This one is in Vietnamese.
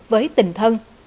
với tình thân